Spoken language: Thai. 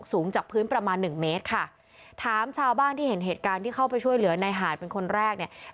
สูงจากพื้นประมาณหนึ่งเมตรค่ะถามชาวบ้านที่เห็นเหตุการณ์ที่เข้าไปช่วยเหลือในหาดเป็นคนแรกเนี่ย